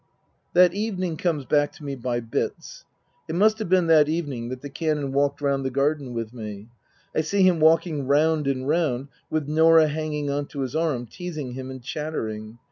That evening comes back to me by bits. It must have been that evening that the Canon walked round the garden with me. I see him walking round and round, with Norah hanging on to his arm, teasing him and chattering.